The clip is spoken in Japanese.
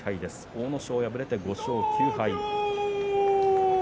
阿武咲、敗れて５勝９敗。